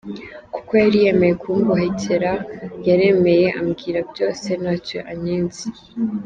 Kuko yari yemeye kumbohokera yaremeye ambwira byose ntacyo ankinze.